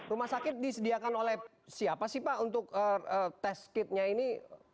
rumah sakit disediakan oleh siapa sih pak untuk tes kitnya ini